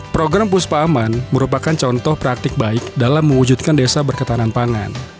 program puspa aman merupakan contoh praktik baik dalam mewujudkan desa berketahanan pangan